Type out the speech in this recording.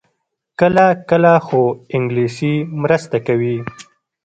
کله کله، خو انګلیسي مرسته کوي